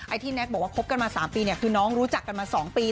ที่แน็กบอกว่าคบกันมา๓ปีเนี่ยคือน้องรู้จักกันมา๒ปี